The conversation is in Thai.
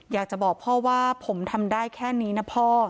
อยากจะบอกพ่อว่าผมทำได้แค่นี้นะพ่อ